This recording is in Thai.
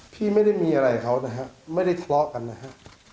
พี่ไม่ได้มีอะไรกับเขานะครับไม่ได้ทะเลาะกันนะครับ